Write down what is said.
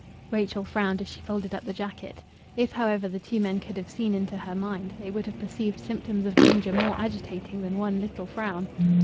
Rachel frowned as she folded up the jacket. If, however, the two men could have seen into her mind they would have perceived symptoms of danger more agitating than one little frown.